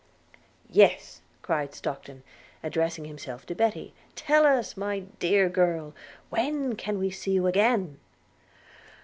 – 'Yes,' cried Stockton, addressing himself to Betty, 'tell us, my dear girl, when can we see you again?'